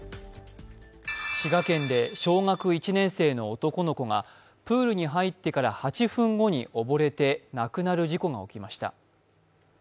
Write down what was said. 滋賀県で小学１年生の男の子がプールに入ってから８分後に溺れて亡くなる事故が起きました。